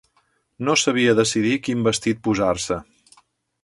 No sabia decidir quin vestit posar-se.